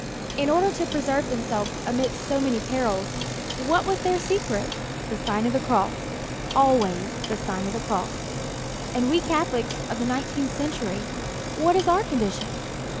In order to preserve themselves amidst so many perils, what was their secret? The Sign of the Cross, always the Sign of the Cross. And we Catholics of the nineteenth century, what is our condition?